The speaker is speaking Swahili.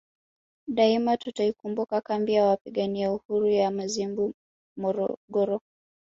Daima tutaikumbuka kambi ya Wapigania Uhuru ya Mazimbu Morogoro